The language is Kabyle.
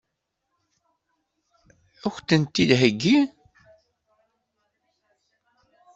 Ad k-ten-id-theggi?